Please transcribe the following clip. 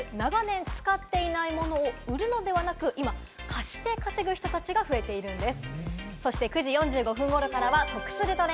家の中に眠っている、長年使っていないものを売るのではなく今、貸して稼ぐ人たちが増えているんです。